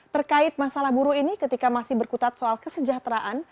terkait masalah buruh ini ketika masih berkutat soal kesejahteraan